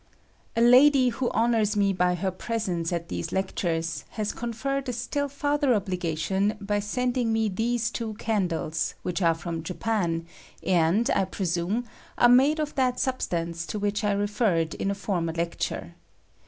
A LADY who lionora me by her presence at these leoturea has conferred a still farther obh gation by sending me these two candles, which are from Japan, and, I presume, are made of that substance to which I referred in a former lecture.